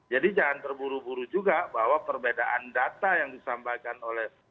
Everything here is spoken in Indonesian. jadi jangan terburu buru juga bahwa perbedaan data yang disampaikan oleh